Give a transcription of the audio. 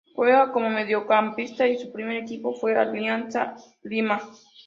Juega como mediocampista y su primer equipo fue Alianza Lima.